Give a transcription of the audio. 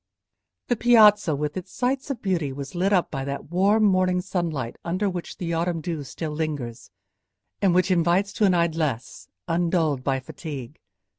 The piazza with its sights of beauty was lit up by that warm morning sunlight under which the autumn dew still lingers, and which invites to an idleness undulled by fatigue.